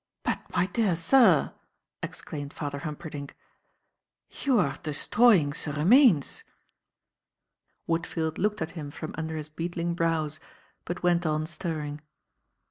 "But, my dear sir!" exclaimed Father Humperdinck. "You are destroying ze remains!" Woodfield looked at him from under his beetling brows, but went on stirring.